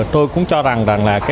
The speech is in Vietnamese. tôi cũng cho rằng